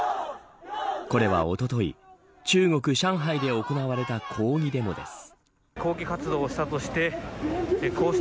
これはおととい中国、上海で行われた抗議デモです。